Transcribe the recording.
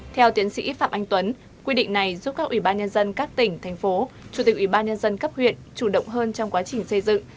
theo tiến sĩ phạm anh tuấn quy định này giúp các ubnd các tỉnh thành phố chủ tịch ubnd cấp huyện chủ động hơn trong quá trình xây dựng